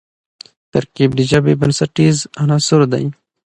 ترکیب د ژبي بنسټیز عنصر دئ.